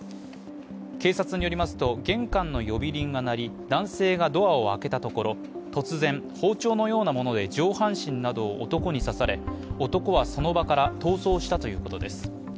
警察によりますと、玄関の呼び鈴が鳴り男性がドアを開けたところ、突然、包丁のようなもので上半身などを男に刺され、男はその場から逃走したということです。